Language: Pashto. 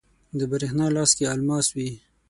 د بریښنا لاس کې الماس وی